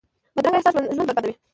بدرنګه احساس ژوند بربادوي